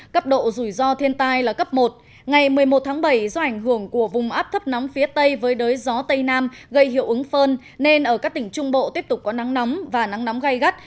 cấp độ rủi ro thiên tai là cấp một ngày một mươi một tháng bảy do ảnh hưởng của vùng áp thấp nóng phía tây với đới gió tây nam gây hiệu ứng phơn nên ở các tỉnh trung bộ tiếp tục có nắng nóng và nắng nóng gai gắt